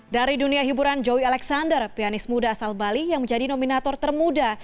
dari dunia hiburan joy alexander pianis muda asal bali yang menjadi nominator termuda